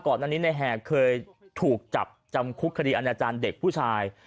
อันนี้ในแหกเคยถูกจับจำคุกคดีอาณาจารย์เด็กผู้ชาย